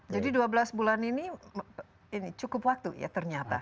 jadi dua belas bulan ini cukup waktu ya ternyata